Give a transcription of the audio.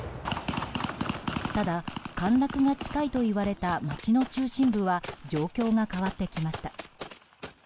ただ、陥落が近いといわれた街の中心部は状況が変わってきました。